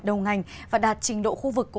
đồng ngành và đạt trình độ khu vực